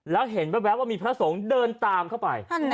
แล้วเห็นแว๊บว่ามีพระสงฆ์เดินตามเข้าไป